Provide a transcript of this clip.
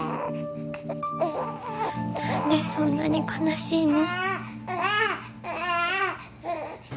なんでそんなに悲しいの？